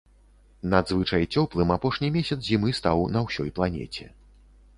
Надзвычай цёплым апошні месяц зімы стаў на ўсёй планеце.